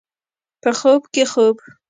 په خوب کې خوب